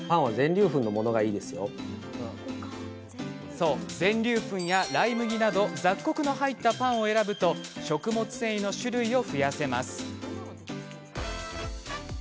そう、全粒粉やライ麦など雑穀の入ったパンを選ぶと食物繊維の種類を増やせます。